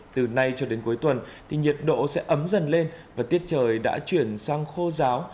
từ nay cho đến cuối tuần thì nhiệt độ sẽ ấm dần lên và tiết trời đã chuyển sang khô giáo